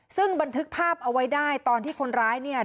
ซึ่งบันทึกภาพเอาไว้ได้ตอนที่คนร้ายเนี่ย